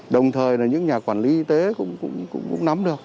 đồng thời là những nhà quản lý y tế cũng nắm được